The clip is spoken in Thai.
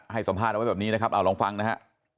ให้สัมภาษณ์เอาไว้แบบนี้นะครับเอาลองฟังนะฮะ